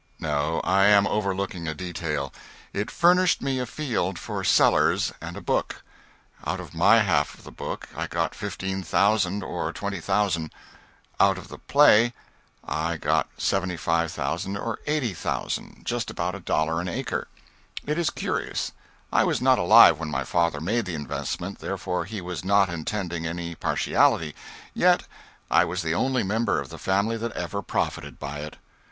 No, I am overlooking a detail. It furnished me a field for Sellers and a book. Out of my half of the book I got $15,000 or $20,000; out of the play I got $75,000 or $80,000 just about a dollar an acre. It is curious: I was not alive when my father made the investment, therefore he was not intending any partiality; yet I was the only member of the family that ever profited by it.